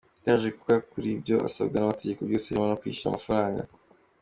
Yagaragaje ko yakurikije ibyo asabwa n’amategeko byose birimo no kwishyura amafaranga.